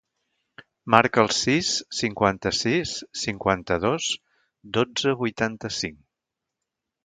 Marca el sis, cinquanta-sis, cinquanta-dos, dotze, vuitanta-cinc.